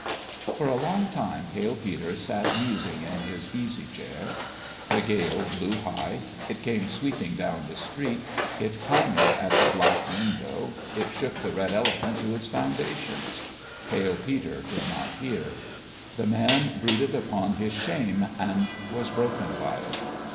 For a long time Pale Peter sat musing in his easy chair. The gale blew high : it came sweeping down the street, it clamoured at the black window, it shook the Red Elephant to its foundations. Pale Peter did not hear. The man brooded upon his shame, and was broken by it.